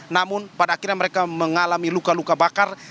namun pada akhirnya mereka mengalami luka luka bakar